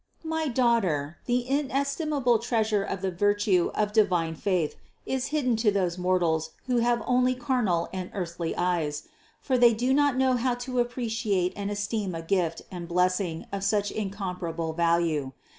503. My daughter, the inestimable treasure of the vir tue of divine faith is hidden to those mortals who have only carnal and earthly eyes ; for they do not know how to appreciate and esteem a gift and blessing of such in comparable value.